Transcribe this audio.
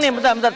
cepet pak rt